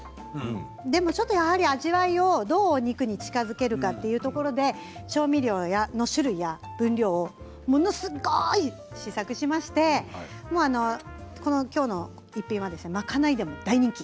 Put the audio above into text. でも、ちょっとやはり味わいをどうお肉に近づけるかというところで調味料の種類や分量をものすごく試作しましてきょうの一品は賄いでも大人気。